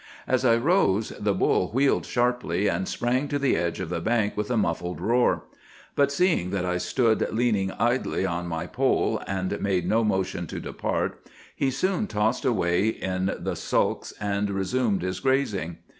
"As I rose, the bull wheeled sharply, and sprang to the edge of the bank with a muffled roar. But seeing that I stood leaning idly on my pole and made no motion to depart, he soon tossed away in the sulks and resumed his grazing.